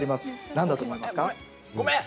何だと思いますか？